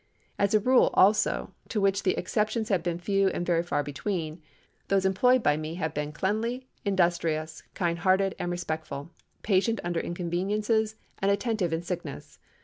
As a rule, also,—to which the exceptions have been few and very far between—those employed by me have been cleanly, industrious, kind hearted, and respectful; patient under inconveniences, and attentive in sickness.